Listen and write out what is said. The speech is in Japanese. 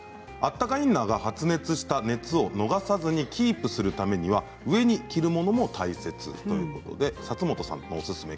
あったかインナーが発熱した熱を逃さずにキープするために上に着るものも大切ということです。